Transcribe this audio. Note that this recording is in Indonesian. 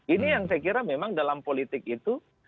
ini yang saya kira memang dalam politik itu